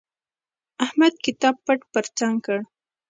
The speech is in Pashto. احمد کتاب پټ پر څنګ کړ.